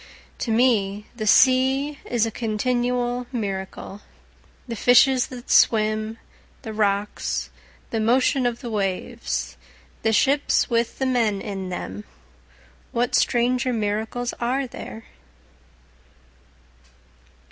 To me the sea is a continual miracle, The fishes that swim the rocks the motion of the waves the ships with men in them, What stranger miracles are there?